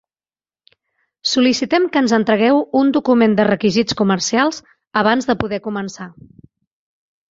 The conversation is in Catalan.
Sol·licitem que ens entregueu un document de requisits comercials abans de poder començar.